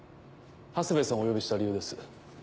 長谷部さんをお呼びした理由です。